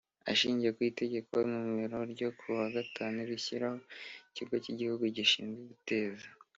Ashingiye ku Itegeko nomero ryo kuwa gatatu rishyiraho Ikigo cy Igihugu gishinzwe guteza